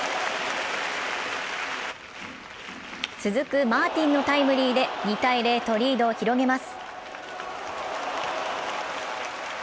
続くマーティンのタイムリーで２−０とリードを広げます。